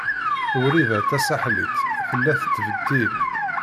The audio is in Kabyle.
Wrida Tasaḥlit tella tettbeddil.